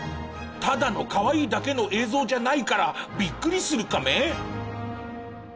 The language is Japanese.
ただのかわいいだけの映像じゃないからビックリするカメ。